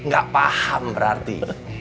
gak paham berarti